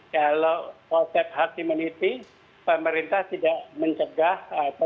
kalau konsep herd immunity pemerintah tidak mencegah